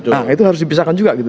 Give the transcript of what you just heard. nah itu harus dipisahkan juga gitu